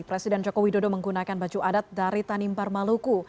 presiden jokowi dodo menggunakan baju adat dari tanimpar maluku